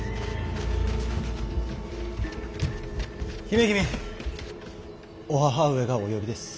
姫君お母上がお呼びです。